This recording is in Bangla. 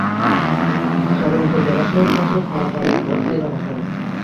সাধারণত জলাশয়ের পাশে খাড়া পাড়ের গর্তে এরা বাসা বানায়।